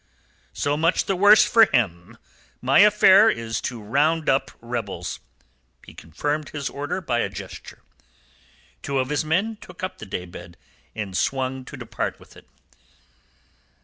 "So much the worse for him. My affair is to round up rebels." He confirmed his order by a gesture. Two of his men took up the day bed, and swung to depart with it.